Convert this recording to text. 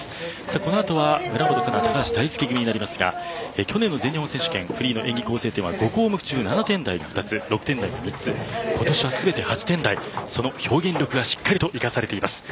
この後は村元哉中・高橋大輔組でありますが去年の全日本選手権フリーの演技構成点は５項目中７点台が６今年は全て８点台その表現力がしっかりと生かされています。